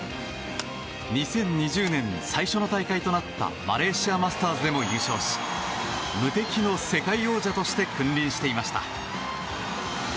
２０２０年最初の大会となったマレーシア・マスターズでも優勝し無敵の世界王者として君臨していました。